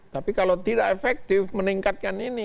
tapi kalau tidak efektif meningkatkan ini